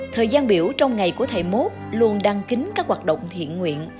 thời gian biểu trong ngày của thầy mốt luôn đăng kính các hoạt động thiện nguyện